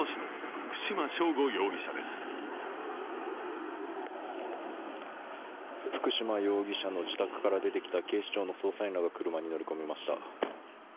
福島容疑者の自宅から出てきた警視庁の捜査員らが車に乗り込みました。